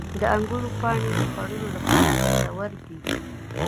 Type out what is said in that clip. • د انګورو پاڼې د خوړو لپاره ګټور دي.